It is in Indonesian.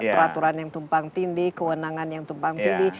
peraturan yang tumpang tindi kewenangan yang tumpang tindih